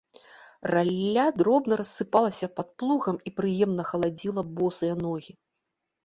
Ралля дробна рассыпалася пад плугам і прыемна халадзіла босыя ногі.